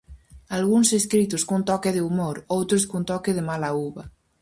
Algúns escritos cun toque de humor, outros cun toque de mala uva.